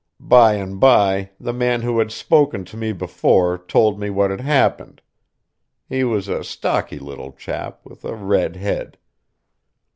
By and by, the man who had spoken to me before told me what had happened. He was a stocky little chap, with a red head.